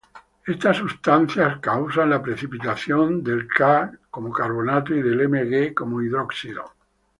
Estas sustancias causan la precipitación del Ca como carbonato y del Mg como hidróxido.